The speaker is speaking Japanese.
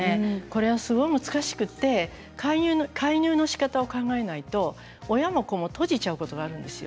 これはすごく難しくて介入のしかたを考えないと親が閉じてしまうことがあります。